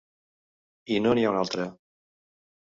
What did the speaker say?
I no n'hi ha un altre.